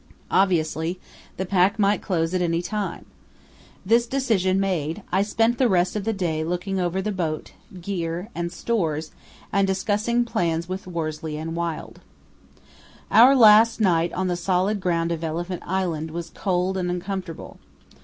Obviously the pack might close at any time. This decision made, I spent the rest of the day looking over the boat, gear, and stores, and discussing plans with Worsley and Wild. Our last night on the solid ground of Elephant Island was cold and uncomfortable.